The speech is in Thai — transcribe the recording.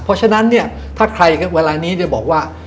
เพราะฉะนั้นถ้าใครเวลานี้บอกว่า